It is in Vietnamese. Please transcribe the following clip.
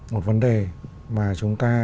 một vấn đề mà chúng ta